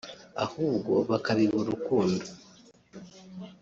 ahubwo bakabiba urukundo